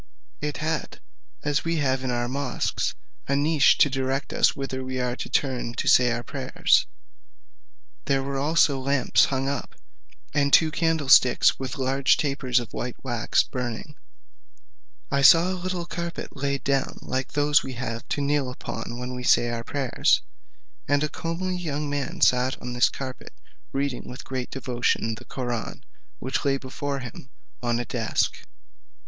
It had, as we have in our mosques, a niche, to direct us whither we are to turn to say our prayers: there were also lamps hung up, and two candlesticks with large tapers of white wax burning. I saw a little carpet laid down like those we have to kneel upon when we say our prayers, and a comely young man sat on this carpet reading with great devotion the Koraun, which lay before him on a desk.